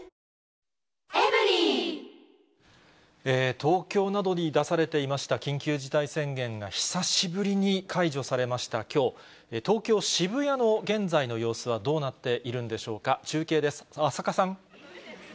東京などに出されていました緊急事態宣言が、久しぶりに解除されましたきょう、東京・渋谷の現在の様子はどうなっているんでしょうか。